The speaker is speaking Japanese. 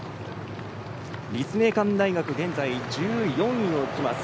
立命館大学現在１４位にいます。